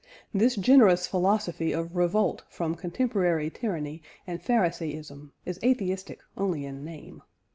This generous philosophy of revolt from contemporary tyranny and pharisaism is atheistic only in name.